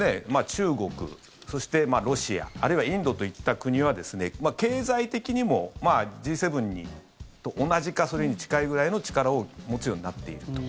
中国、そしてロシアあるいはインドといった国は経済的にもＧ７と同じかそれに近いぐらいの力を持つようになっていると。